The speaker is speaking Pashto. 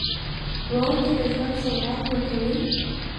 ورور ته د ژوند سوغات ورکوې.